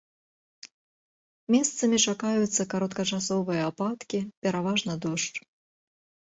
Месцамі чакаюцца кароткачасовыя ападкі, пераважна дождж.